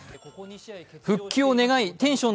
復帰を願いテンション